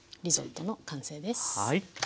リゾットの完成です。